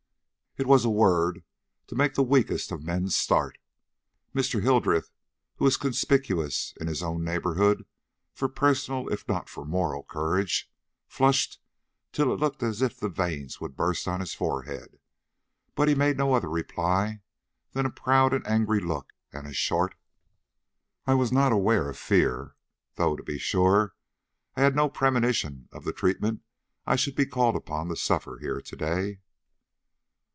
It was a word to make the weakest of men start. Mr. Hildreth, who was conspicuous in his own neighborhood for personal if not for moral courage, flushed till it looked as if the veins would burst on his forehead, but he made no other reply than a proud and angry look and a short: "I was not aware of fear; though, to be sure, I had no premonition of the treatment I should be called upon to suffer here to day."